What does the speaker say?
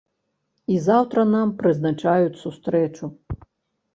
І заўтра нам прызначаюць сустрэчу.